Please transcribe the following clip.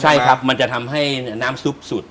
ใช่ครับมันจะทำให้น้ำซุปสุด